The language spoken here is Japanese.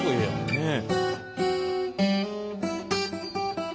ねえ。